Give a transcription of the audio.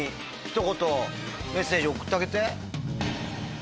メッセージ送ってあげて。